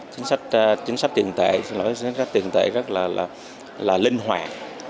chính sách tiền tệ rất là linh hoạt